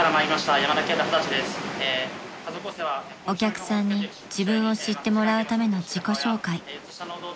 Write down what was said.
［お客さんに自分を知ってもらうための自己紹介］